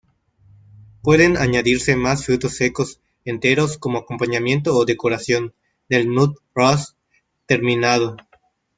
Pueden añadirse más frutos secos enteros como acompañamiento o decoración del "nut roast" terminado.